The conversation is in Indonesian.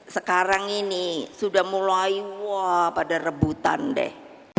sekarang ini sudah mulai wah pada rebutan deh